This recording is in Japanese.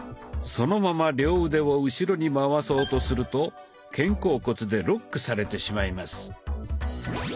そのまま両腕を後ろに回そうとすると肩甲骨でロックされてしまいます。